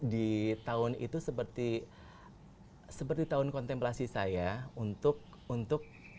di tahun itu seperti tahun kontemplasi saya untuk